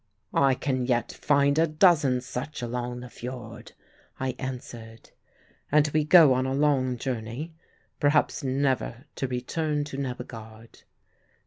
"I can yet find a dozen such along the fiord," I answered. "And we go on a long journey, perhaps never to return to Nebbegaard."